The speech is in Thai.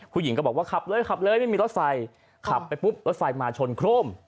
ผู้หญิงก็บอกว่าขับเลยขับเลยไม่มีรถไฟขับไปปุ๊บรถไฟมาชนโครม